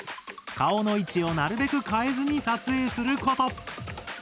顔の位置をなるべく変えずに撮影すること。